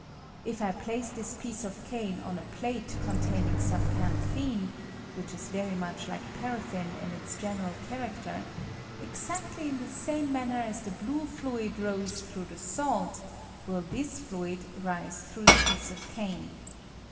If I place this piece of cane on a plate containing some camphene (which is very much ^ J WHY FLAiTE DOEa NOT REACH THE CUP. 27 like paraffins in its general character), exactly in the same manner as the blue fluid rose through the salt will this fluid rise through the piece of cane.